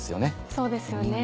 そうですよね。